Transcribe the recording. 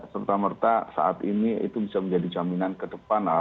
serta merta saat ini itu bisa menjadi jaminan ke depan